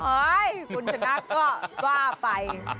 เฮ้ยขุนชนะกล้าบ้าไป